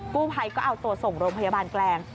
กู้ภัยก็เอาตัวส่งโรงพยาบาลแกลง